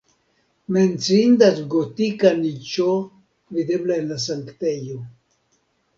Menciindas gotika niĉo videbla en la sanktejo.